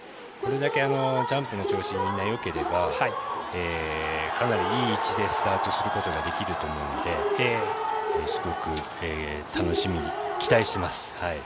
これだけ、ジャンプの調子みんな、よければかなりいい位置でスタートすることができると思うのですごく楽しみに期待しています。